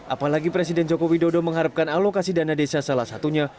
apalagi presiden joko widodo mengharapkan alokasi dana desa salah satunya